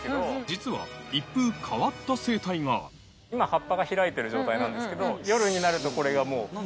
実は一風変わった生態が今葉っぱが開いてる状態なんですけど夜になるとこれがもう。